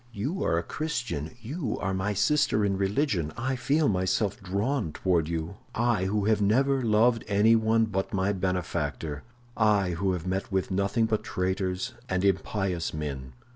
You are a Christian; you are my sister in religion. I feel myself drawn toward you—I, who have never loved anyone but my benefactor—I who have met with nothing but traitors and impious men.